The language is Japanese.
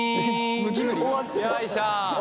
よいしょ。